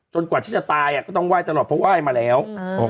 จนกว่าเธอจะตายก็ต้องไหว้ตลอดเพราะว่ายมาแล้ว